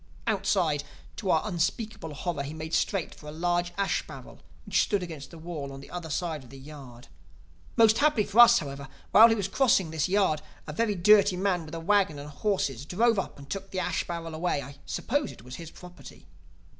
"Outside, to our unspeakable horror, he made straight for a large ash barrel which stood against the wall on the other side of a yard. Most happily for us, however, while he was crossing this yard a very dirty man with a wagon and horses drove up and took the ash barrel away. I suppose it was his property.